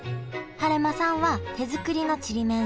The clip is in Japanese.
晴間さんは手作りのちりめん